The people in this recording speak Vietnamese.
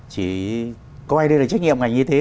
chỉ coi đây là trách nhiệm ngành y tế